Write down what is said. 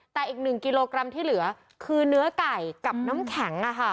แต่อีก๑กิโลกรัมที่เหลือคือเนื้อไก่กับน้ำแข็ง